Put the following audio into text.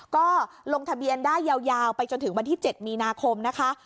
ก็ลงทะเบียนได้ยาวไปจนถึงวันที่๗มีนาคมนะคะ